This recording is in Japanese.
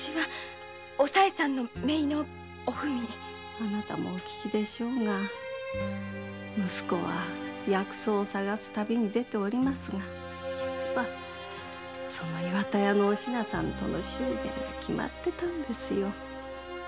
あなたもお聞きのとおり息子は薬草を探す旅に出ておりますが実はその岩田屋のお品さんとの祝言が決まっていたのですよ。